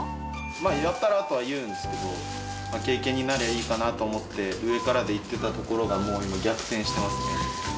まあ、やったらとは言うんですけど、経験になりゃいいかなと思って、上からで言ってたところが、もう今、逆転してますね。